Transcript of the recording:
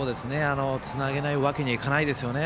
つなげないわけにはいかないですね。